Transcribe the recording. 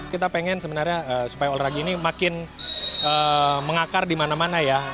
kita pengen sebenarnya supaya olahraga ini makin mengakar di mana mana ya